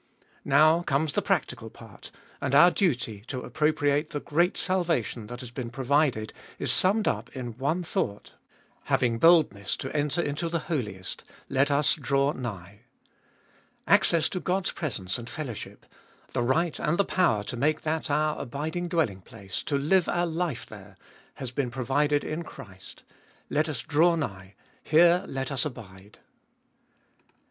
Now comes the practical part, and our duty to appropriate the great salvation that has been provided is summed up in the one thought : Having boldness to enter into the Holiest; let us draw nigh. Access to God's presence and fellowship, the right and the power to make that our abid ing dwelling place, to live our life there, has been provided in Christ : let us draw nigh, here let us abide.